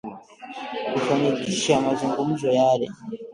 kufanikisha mazungumzo yale